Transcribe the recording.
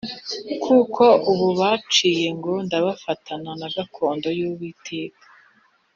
kuko ubu banciye ngo ndafatana na gakondo y’Uwiteka